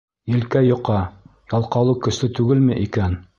Елкә йоҡа, ялҡаулыҡ көслө түгелме икән?